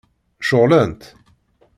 Ceɣlent?